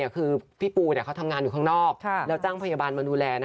คือพี่ปูเขาทำงานอยู่ข้างนอกแล้วจ้างพยาบาลมาดูแล